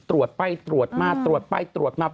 ตรวจไปตรวจมาตรวจไปตรวจมา